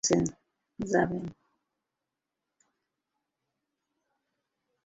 তিনি শান্তিনিকেতনে কবিগুরুর কাছে যান।